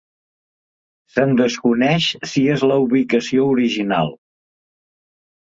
Se'n desconeix si és la ubicació original.